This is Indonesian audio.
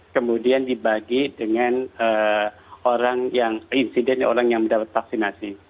kemudian dibagi dengan insiden orang yang mendapat vaksinasi